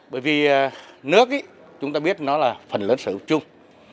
bởi vì nước chúng ta biết nó là phần lớn sở hữu chung